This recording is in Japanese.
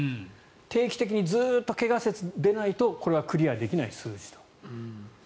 定期的にずっと怪我せずに出ないとクリアできない数字と。